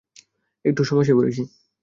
একটু সমস্যায় পরেছি।